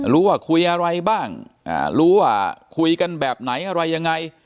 รู้ว่าคุยอะไรบ้างรู้ว่าคุยกันแบบไหนอะไรยังไง